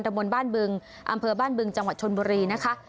บนบ้านบึงอำเภอบ้านบึงจังหวัดชนบุรีนะคะ